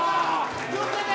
気をつけて！